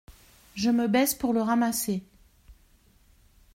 Je me baisse pour le ramasser.